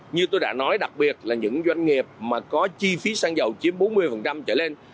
như tôi đã nói đặc biệt là những doanh nghiệp mà có chi phí xăng dầu chiếm bốn mươi trở lên